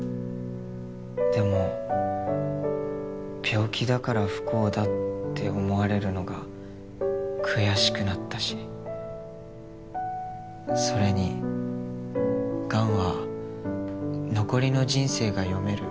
でも病気だから不幸だって思われるのが悔しくなったしそれに癌は残りの人生が読める